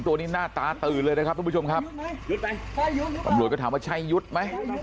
ตัวนี้หน้าตาตื่นเลยนะครับทุกผู้ชมครับตำรวจก็ถามว่าใช่ยุทธ์ไหม